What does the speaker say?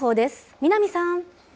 南さん。